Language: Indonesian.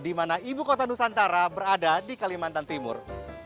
dimana ibu kota nusantara berada di kalimantan timur